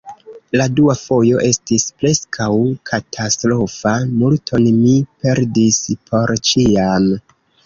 La dua fojo estis preskaŭ katastrofa: multon mi perdis por ĉiam.